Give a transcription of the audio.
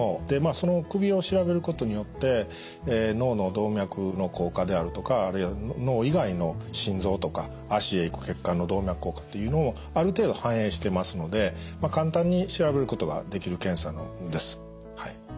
でまあその首を調べることによって脳の動脈の硬化であるとかあるいは脳以外の心臓とか脚へ行く血管の動脈硬化っていうのもある程度反映してますので簡単に調べることができる検査ですはい。